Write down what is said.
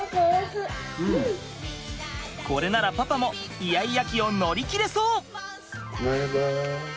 これならパパもイヤイヤ期を乗り切れそう！前歯。